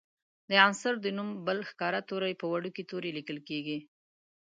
د عنصر د نوم بل ښکاره توری په وړوکي توري لیکل کیږي.